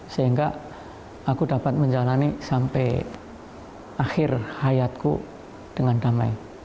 sehingga aku dapat menjalani sampai akhir hayatku dengan damai